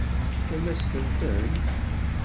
Tefkamt-asent-ten?